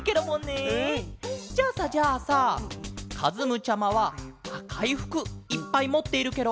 うん！じゃあさじゃあさかずむちゃまはあかいふくいっぱいもっているケロ？